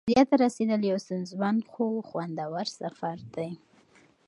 بریا ته رسېدل یو ستونزمن خو خوندور سفر دی.